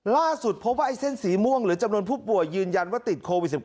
ล่าสุดพบว่าไอ้เส้นสีม่วงหรือจำนวนผู้ป่วยยืนยันว่าติดโควิด๑๙